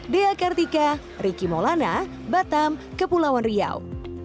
di akartika riki molana batam kepulauan riau